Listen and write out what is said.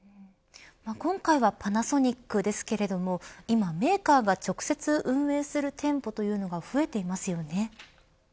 今回はパナソニックですけれども今、メーカーが直接運営する店舗というのが増えていますよね。